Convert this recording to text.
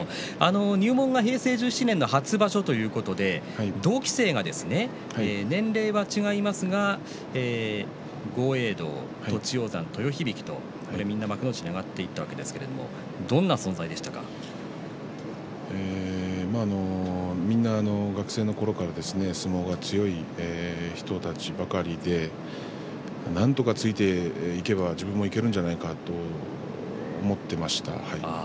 入門は平成１７年初場所ということで同期生が、年齢は違いますが豪栄道、栃煌山、豊響とみんな幕内に上がっていったわけですけどみんな学生のころから相撲が強い人たちばかりでなんとか、ついていけば自分もいけるんじゃないかと思っていました。